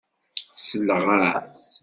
Selleɣ-as.